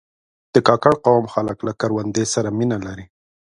د کاکړ قوم خلک له کروندې سره مینه لري.